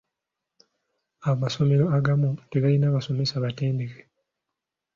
Amasomero agamu tegalina basomesa batendeke.